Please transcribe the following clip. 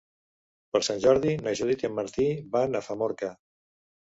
Per Sant Jordi na Judit i en Martí van a Famorca.